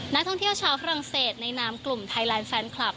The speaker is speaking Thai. นักท่องเที่ยวชาวฝรั่งเศสในนามกลุ่มไทยแลนด์แฟนคลับ